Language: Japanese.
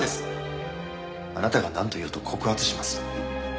あなたがなんと言おうと告発します。